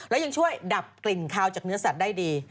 แล้วยังช่วยดับกลิ่นคาวจากเนื้อสัตว์ได้ดี